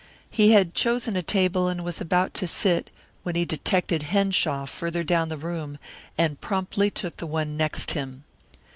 He had chosen a table and was about to sit, when he detected Henshaw farther down the room, and promptly took the one next him.